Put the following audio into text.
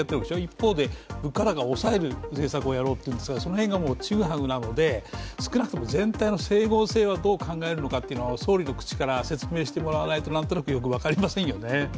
一方で物価高を抑える政策をしているのでその辺がちぐはぐなので、少なくとも全体の整合性はどう考えるのかっていうのは総理の口から説明してもらわないと何となく、よく分かりませんよね。